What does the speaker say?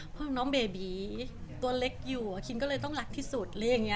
เพราะว่าน้องเบบีตัวเล็กอยู่อาคินก็เลยต้องรักที่สุด